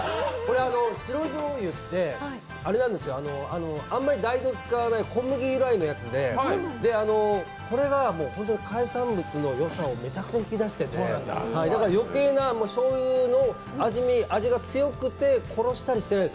白じょうゆって、あんまり大豆を使わない小麦由来のやつで、これが海産物のよさをめちゃくちゃ引き出しててだから、余計なしょうゆの味が強くて殺したりしてない。